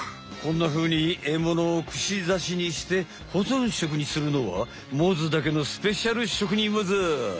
こんなふうにえものをくしざしにして保存食にするのはモズだけのスペシャル職人わざ！